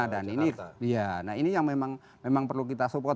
dan ini yang memang perlu kita support